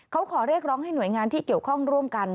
เขาขอเรียกร้องให้หน่วยงานที่เกี่ยวข้องร่วมกัน